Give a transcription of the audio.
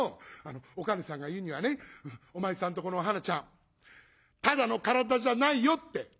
おかねさんが言うにはねお前さんとこのお花ちゃんただの体じゃないよって」。